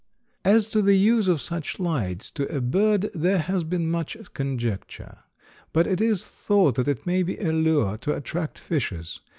As to the use of such lights to a bird there has been much conjecture; but it is thought that it may be a lure to attract fishes.